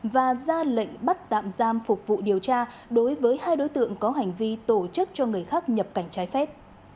và ra lệnh bắt tạm giam phục vụ điều tra đối với hai đối tượng có hành vi tổ chức cho người khác nhập cảnh trái phép